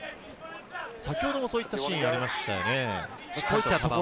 先ほどもそういったシーンがありましたね。